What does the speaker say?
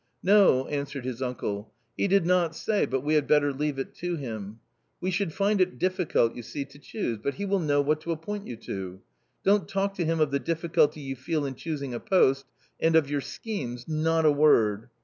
" No," answered his uncle :—" he did not say, but we had better leave it to him ; we should find it difficult, you see, to choose, but he will know what to appoint you to. Don't talk to him of the difficulty you feel in choosing a post, and of your schemes not a word.